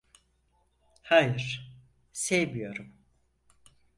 Hayır, sevmiyorum.